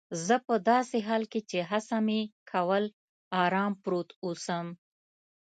زه په داسې حال کې چي هڅه مې کول آرام پروت اوسم.